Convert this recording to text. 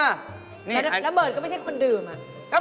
ผมไม่ใช่คนดื่ม